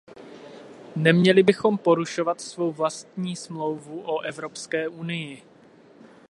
Neměli bychom porušovat svou vlastní Smlouvu o Evropské unii.